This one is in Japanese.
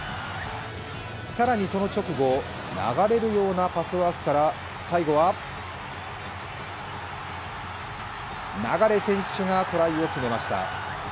更にその直後、流れるようなパスワークから最後は流選手がトライを決めました。